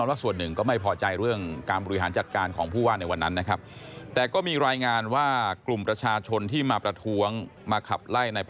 ว่าส่วนหนึ่งก็ไม่พอใจเรื่องการบริหารจัดการของผู้ว่าในวันนั้นนะครับ